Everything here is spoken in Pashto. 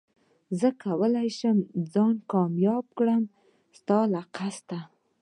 زه کولي شم ځان کامياب کړم ستا له قصده